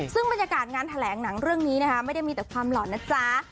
ซึ่งบรรยากาศงานแถลงหนังเรื่องนี้นะคะไม่ได้มีแต่ความหล่อนนะจ๊ะ